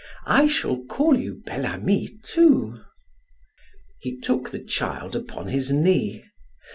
I shall call you Bel Ami, too!" He took the child upon his knee.